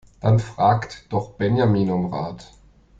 Dann fragt doch Benjamin um Rat!